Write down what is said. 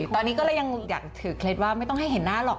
ตอนนี้ก็เลยยังอยากถือเคล็ดว่าไม่ต้องให้เห็นหน้าหรอก